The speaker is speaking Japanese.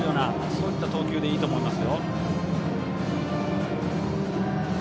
そういった投球でいいと思います。